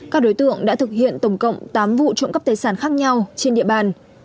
các đối tượng đã thực hiện tổng cộng tám vụ trộm cắp tài sản khác nhau trên địa bàn